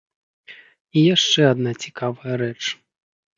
І яшчэ адна цікавая рэч.